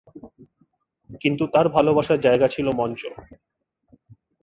কিন্তু তার ভালোবাসার জায়গা ছিল মঞ্চ।